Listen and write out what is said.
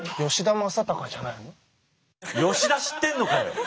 吉田知ってんのかよ！